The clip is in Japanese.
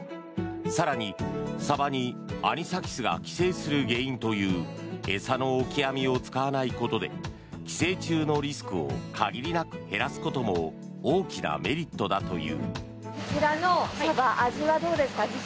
更に、サバにアニサキスが寄生する原因という餌のオキアミを使わないことで寄生虫のリスクを限りなく減らすことも大きなメリットだという。